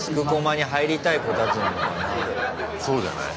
そうじゃない？